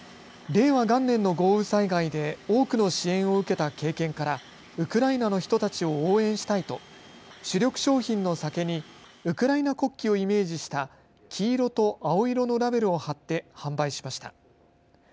令和元年の豪雨災害で多くの支援を受けた経験からウクライナの人たちを応援したいと主力商品の酒にウクライナ国旗をイメージした黄色と青色のラベルを貼って販売しました。